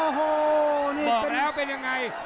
โอ้โหนี่ซะแล้วเป็นยังไง